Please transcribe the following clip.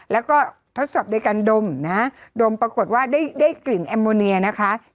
แล้วก็ทดสอบโดยการดมนะดมปรากฏว่าได้กลิ่นแอมโมเนียนะคะ